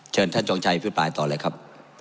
เชิญท่านจงชัยพิปรายต่อเลยครับ